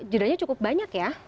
jurnalnya cukup banyak ya